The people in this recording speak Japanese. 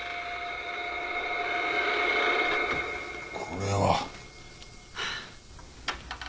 これは。